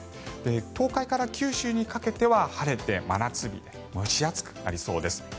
東海から九州にかけては晴れて、真夏日蒸し暑くなりそうです。